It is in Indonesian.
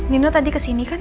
nino tadi kesini kan